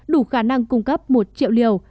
đủ khả năng cung cấp một triệu liều